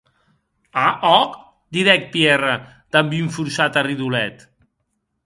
A, òc, didec Pierre damb un forçat arridolet.